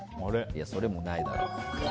それもないだろ。